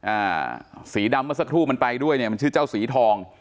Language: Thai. อ่าสีดำเมื่อสักครู่มันไปด้วยเนี่ยมันชื่อเจ้าสีทอง